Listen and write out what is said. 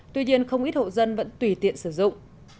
tuy nhiên không ít hộ dân vẫn tùy tiện sử dụng